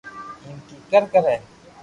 ايم ڪيڪر ڪري